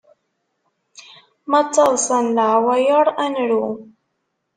Ma ttaḍsan leɛwayeṛ, ad nru.